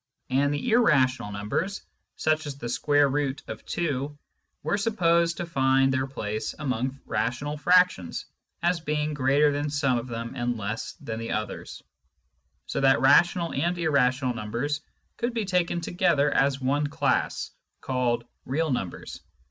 And the irrational numbers, such as the square root of 2, were supposed to find their place among rational frac tions, as being greater than some of them and less than the others, so that rational and irrational numbers could be taken together as one class, called " real numbers."